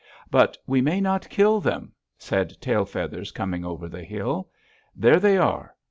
But we may not kill them! Said Tail Feathers Coming over the Hill: "There they are!